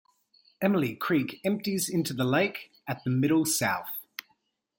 Emily Creek empties into the lake at the middle south.